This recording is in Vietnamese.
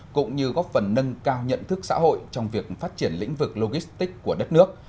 cũng như góp phần nâng cao nhận thức xã hội trong việc phát triển lĩnh vực logistics của đất nước